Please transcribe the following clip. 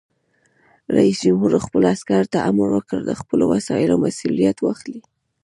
رئیس جمهور خپلو عسکرو ته امر وکړ؛ د خپلو وسایلو مسؤلیت واخلئ!